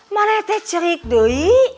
mana itu ceritanya